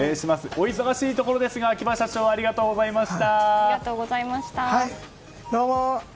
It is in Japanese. お忙しいところですが秋葉社長ありがとうございました。